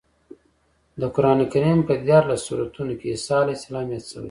د قرانکریم په دیارلس سورتونو کې عیسی علیه السلام یاد شوی دی.